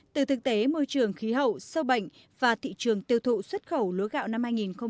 từ thực tế môi trường khí hậu sâu bệnh và thị trường tiêu thụ xuất khẩu lúa gạo năm hai nghìn một mươi tám